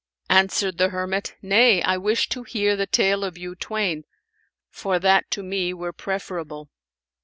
Answered the hermit; 'Nay, I wish to hear the tale of you twain, for that to me were preferable.'